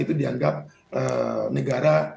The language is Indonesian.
itu dianggap negara